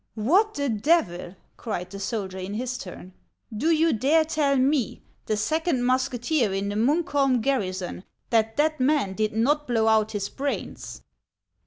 " What the devil !" cried the soldier, in his turn ;" do you dare tell me, the second musketeer in the Munkliolm garrison, that that man did not blow out his brains